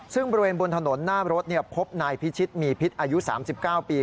ซึ่งบริเวณบนถนนหน้ารถพบนายพิชิตมีพิษอายุ๓๙ปี